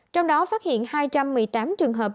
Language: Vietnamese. trong đó phát hiện hai trăm một mươi tám trường hợp